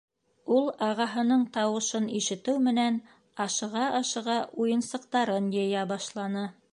Ул, ағаһының тауышын ишетеү менән, ашыға-ашыға уйынсыҡтарын йыя башланы.